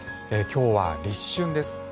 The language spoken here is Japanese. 今日は立春です。